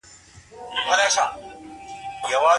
ولي هڅاند سړی د ذهین سړي په پرتله موخي ترلاسه کوي؟